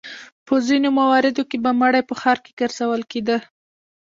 په ځینو مواردو کې به مړی په ښار کې ګرځول کېده.